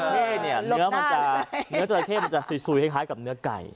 ราเข้เนี่ยเนื้อจราเข้มันจะซุยให้คล้ายกับเนื้อไก่